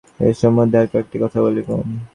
এ সম্বন্ধে আর কয়েকটি কথা বলিব।